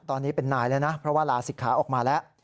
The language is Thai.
ตอนนี้เป็นนายแล้วนะเพราะว่าลาศิกขาออกมาแล้ว